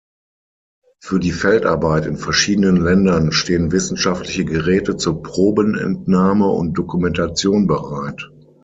Für die Feldarbeit in verschiedenen Ländern stehen wissenschaftliche Geräte zur Probenentnahme und Dokumentation bereit.